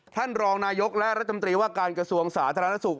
ท่านรองนายกและรัฐมนตรีว่าการกระทรวงสาธารณสุข